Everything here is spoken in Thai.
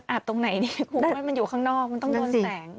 อาบตรงไหนนี่มันอยู่ข้างนอกมันต้องโดนแสง